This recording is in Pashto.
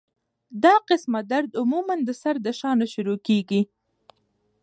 دا قسمه درد عموماً د سر د شا نه شورو کيږي